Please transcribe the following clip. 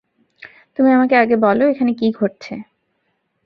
তুমি আমাকে আগে বলো এখানে কী ঘটছে।